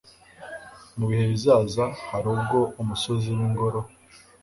mu bihe bizaza, hari ubwo umusozi w'ingoro